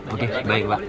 oke baik pak